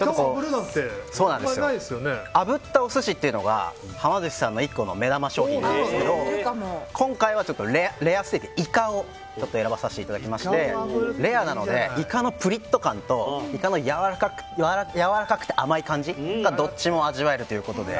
あぶったお寿司というのははま寿司さんの目玉商品なんですが今回はレアステーキイカを選ばさせていただきましてレアなのでイカのプリッと感とイカのやわらかくて甘い感じがどっちも味わえる。